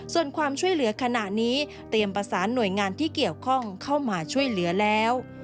ส่วนความช่วยเหลือขณะนี้เตรียมประสานหน่วยงานที่เกี่ยวข้องเข้ามาช่วยเหลือแล้ว